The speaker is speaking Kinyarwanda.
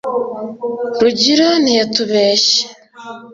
rugira ntiyatubeshye